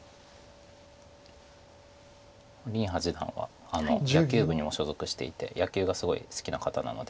林八段は野球部にも所属していて野球がすごい好きな方なので。